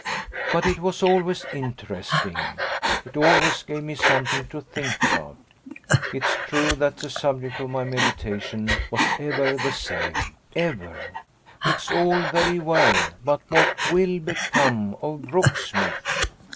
But it was always interesting it always gave me something to think about. It's true that the subject of my meditation was ever the same ever "It's all very well, but what WILL become of Brooksmith?"